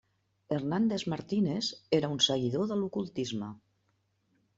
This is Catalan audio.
Hernández Martínez era un seguidor de l'ocultisme.